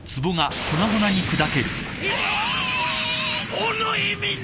おの意味な！